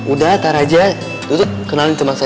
udah tarah aja duduk kenalin teman saya